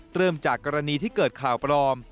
เริ่มจากกรณีที่เกิดข่าวปลอม